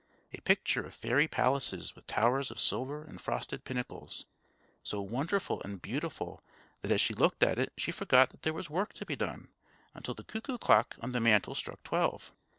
A picture of fairy palaces with towers of silver and frosted pinnacles, so wonderful and beautiful that as she looked at it she forgot that there was work to be done, until the cuckoo clock on the mantel struck twelve.